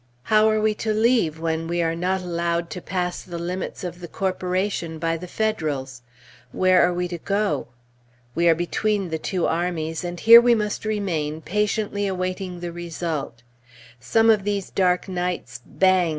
How are we to leave, when we are not allowed to pass the limits of the corporation by the Federals? Where are we to go? We are between the two armies, and here we must remain patiently awaiting the result. Some of these dark nights, bang!